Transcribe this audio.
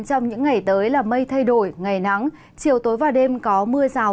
trong những ngày tới là mây thay đổi ngày nắng chiều tối và đêm có mưa rào